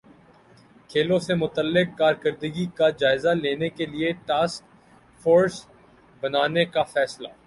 کھیلوں سے متعلق کارکردگی کا جائزہ لینے کیلئے ٹاسک فورس بنانے کا فیصلہ